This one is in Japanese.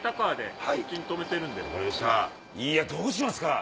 いやどうしますか。